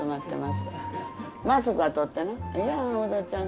マスクは取ってね。